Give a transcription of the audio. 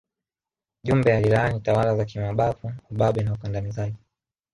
Jumbe alilaani tawala za kimabavu ubabe na ukandamizaji